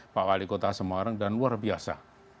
pak wali kota semarang dan luar biasa